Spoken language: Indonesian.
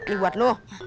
ini buat lo